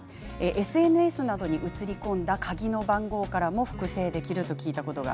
ＳＮＳなどに写り込んだ鍵の番号などからも複製できると聞きました。